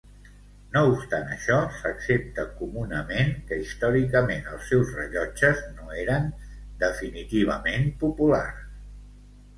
No obstant això, s'accepta comunament que històricament els seus rellotges no eren definitivament populars.